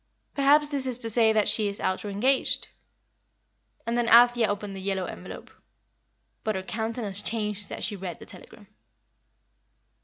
Perhaps this is to say that she is out or engaged." And then Althea opened the yellow envelope. But her countenance changed as she read the telegram.